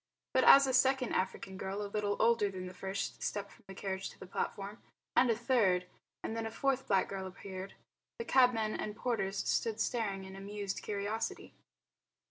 But as a second African girl a little older than the first stepped from the carriage to the platform, and a third, and then a fourth black girl appeared, the cabmen and porters stood staring in amused curiosity.